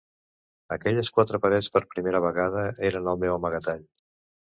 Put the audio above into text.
Aquelles quatre parets per primera vegada eren el meu amagatall.